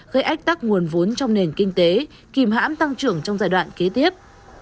gây ách tắc nguồn vốn trong nền kinh tế kìm hãm tăng trưởng trong giai đoạn kế tiếp